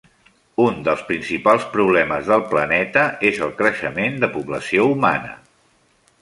Un dels principals problemes del planeta és el creixement de població humana.